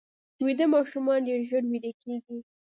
ویده ماشومان ډېر ژر ویده کېږي